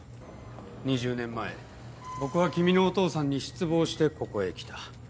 ２０年前僕は君のお父さんに失望してここへ来た。